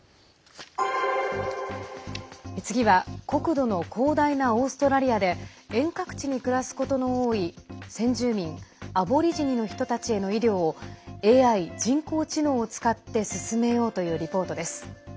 次は国土の広大なオーストラリアで遠隔地に暮らすことの多い先住民アボリジニの人たちへの医療をＡＩ＝人工知能を使って進めようというリポートです。